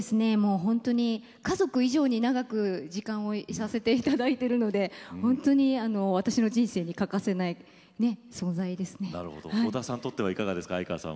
家族以上に長く時間をいさせていただいているので本当に私の人生に欠かせない織田さんにとっては？